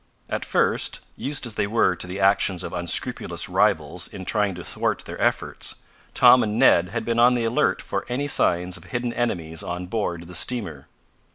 At first, used as they were to the actions of unscrupulous rivals in trying to thwart their efforts, Tom and Ned had been on the alert for any signs of hidden enemies on board the steamer.